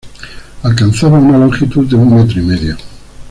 Alcanzaba una longitud de un metro y medio.